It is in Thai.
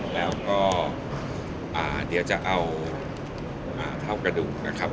แล้วก็เดี๋ยวจะเอาเท่ากระดูกนะครับ